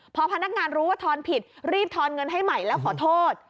พอพนักงานรู้ว่าทอนผิดรีบทอนเงินให้ใหม่แล้วขอโทษ